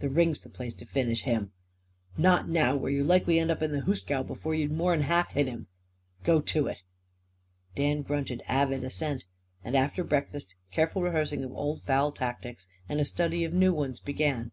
The ring's the place to finish him. Not now, where you'd likely land up in the hoosgow before you'd more'n half hit him. Go to it!" Dan grunted avid assent. And after breakfast careful rehearsing of old foul tactics and a study of new ones began.